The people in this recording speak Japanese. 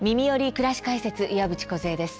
くらし解説」岩渕梢です。